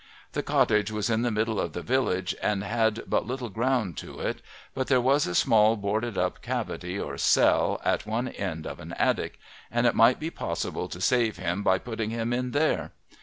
The cottage was in the middle of the village and had but little ground to it, but there was a small, boarded up cavity or cell at one end of an attic, and it might be possible to save him by putting him in there.